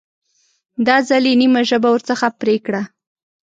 دا ځل یې نیمه ژبه ورڅخه پرې کړه.